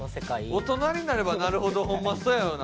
大人になればなるほどホンマそうやよな。